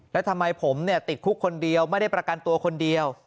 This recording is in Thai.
แล้วทำไมผมติดคุกคนเดียวไม่ได้ประกันตัวคนเดียว